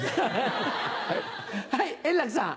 はい円楽さん。